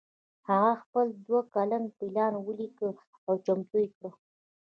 هغه خپل دوه کلن پلان وليکه او چمتو يې کړ.